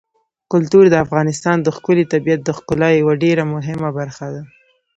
کلتور د افغانستان د ښکلي طبیعت د ښکلا یوه ډېره مهمه برخه ده.